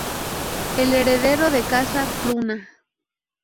El Heredero de Casa Pruna